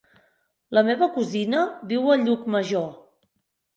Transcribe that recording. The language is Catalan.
La meva cosina viu a Llucmajor.